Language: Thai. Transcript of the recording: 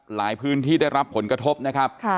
หลายพื้นที่ได้รับผลกระทบนะครับ